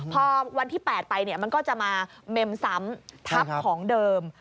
พอวันที่๘ไปมันก็จะมาเมมซ้ำทับของเดิม